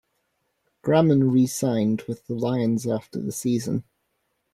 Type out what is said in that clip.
Graman re-signed with the Lions after the season.